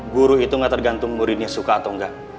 guru itu nggak tergantung muridnya suka atau enggak